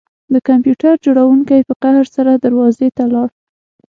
د کمپیوټر جوړونکي په قهر سره دروازې ته لاړ